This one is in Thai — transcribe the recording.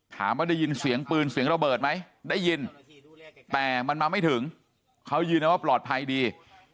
ถามว่าได้ยินเสียงปืนเสียงระเบิดไหมได้ยินแต่มันมาไม่ถึงเขายืนยันว่าปลอดภัยดี